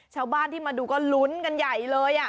ชาวบ้านที่มาดูก็ลุ้นกันใหญ่เลย